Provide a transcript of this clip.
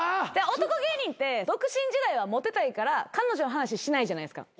男芸人って独身時代はモテたいから彼女の話しないじゃないですか。